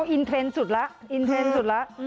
อินเทรนด์สุดละ